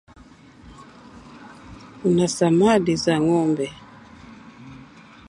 Kuna samadi za ngombe